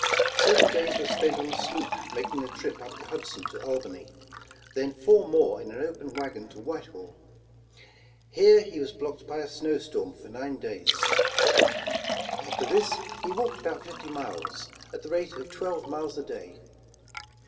Seven days were spent on a sloop making the trip up the Hudson to Al bany, then four more in an open wagon to Whitehall. Here he was blocked by a snow storm for nine days. After this he walked about fifty miles, at the rate of twelve miles a day.